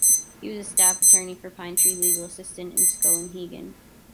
He was a staff attorney for Pine Tree Legal Assistance in Skowhegan.